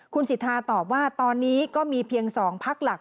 คุณสิทธาตอบว่าตอนนี้ก็มีเพียง๒พักหลัก